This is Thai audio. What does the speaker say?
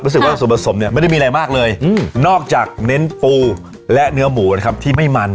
รู้สึกว่าส่วนผสมเนี่ยไม่ได้มีอะไรมากเลยนอกจากเน้นปูและเนื้อหมูนะครับที่ไม่มัน